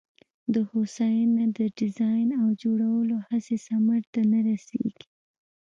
د هوساینه د ډیزاین او جوړولو هڅې ثمر ته نه رسېږي.